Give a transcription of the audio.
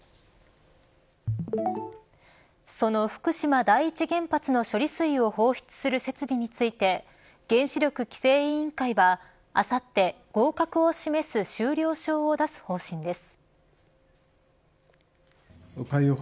その福島第一原発の処理水を放出する設備について原子力規制委員会は、あさって合格を示す終了証を出す方針です。